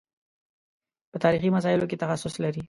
په تاریخي مسایلو کې تخصص لري.